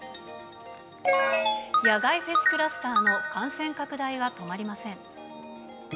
野外フェスクラスターの感染拡大が止まりません。